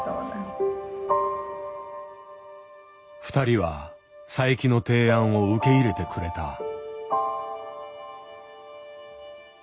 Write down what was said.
二人は佐伯の提案を受け入れてくれた。